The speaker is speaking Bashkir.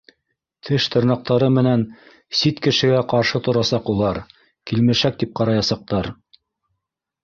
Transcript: Теш-тырнаҡтары менән сит кешегә ҡаршы торасаҡ улар, килмешәк тип ҡараясаҡтар